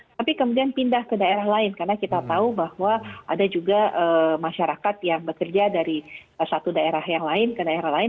tapi kemudian pindah ke daerah lain karena kita tahu bahwa ada juga masyarakat yang bekerja dari satu daerah yang lain ke daerah lain